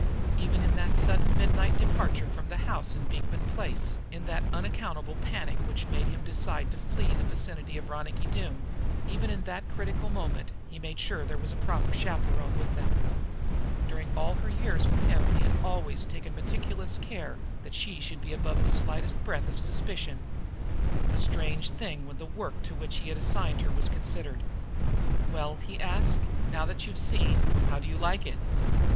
Even in that sudden midnight departure from the house in Beekman Place, in that unaccountable panic which made him decide to flee from the vicinity of Ronicky Doone even in that critical moment he had made sure that there was a proper chaperon with them. During all her years with him he had always taken meticulous care that she should be above the slightest breath of suspicion a strange thing when the work to which he had assigned her was considered. "Well," he asked, "now that you've seen, how do you like it?